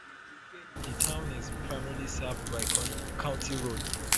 The town is primarily served by county roads.